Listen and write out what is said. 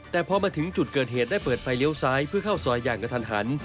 แต่พอมาถึงจุดเกิดเหตุได้เปิดไฟเลี้ยวซ้ายเพื่อเข้าซอยอย่างกระทันหัน